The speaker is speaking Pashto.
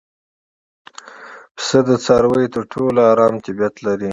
پسه د څارویو تر ټولو ارام طبیعت لري.